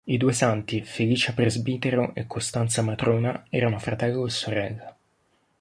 I due santi, Felice presbitero e Costanza matrona, erano fratello e sorella.